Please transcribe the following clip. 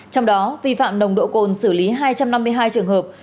trong đó vi phạm nồng độ cồn xử lý hai trăm năm mươi hai trường hợp